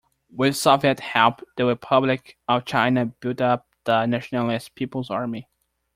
With Soviet help, the Republic of China built up the nationalist people's army.